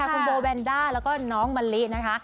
ของโบว์แวนด้าและก็น้องมะลินะคะ